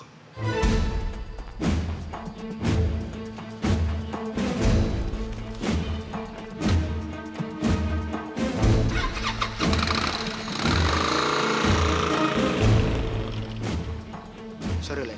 jangan lupa ngenang alarm alarm